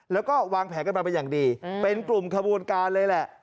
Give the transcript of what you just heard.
แล้วก็วางแผลกันมาไปอย่างดีอืมเป็นกลุ่มขบูรณ์การเลยแหละ